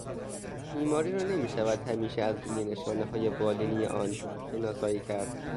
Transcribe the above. بیماری را نمیشود همیشه از روی نشانههای بالینی آن شناسایی کرد.